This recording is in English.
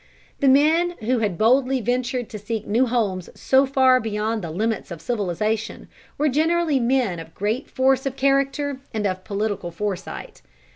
The men who had boldly ventured to seek new homes so far beyond the limits of civilization were generally men of great force of character and of political foresight.